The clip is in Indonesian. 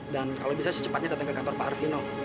dan kalau bisa secepatnya datang ke kantor pak arvino